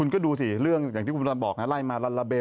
คุณก็ดูสิเรื่องอย่างที่คุณบอกนะไล่มาลาเบล